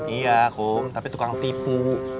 iya kok tapi tukang tipu